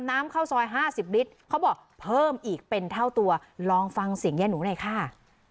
น้ำข้าวซอยห้าสิบลิตรเขาบอกเพิ่มอีกเป็นเท่าตัวลองฟังเสียงแย่หนูได้ค่ะ